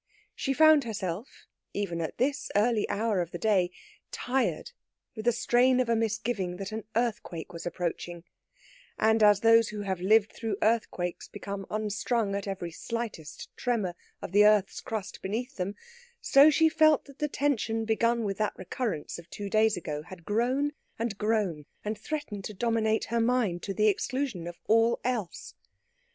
She found herself, even at this early hour of the day, tired with the strain of a misgiving that an earthquake was approaching; and as those who have lived through earthquakes become unstrung at every slightest tremor of the earth's crust beneath them, so she felt that the tension begun with that recurrence of two days ago had grown and grown, and threatened to dominate her mind, to the exclusion of all else.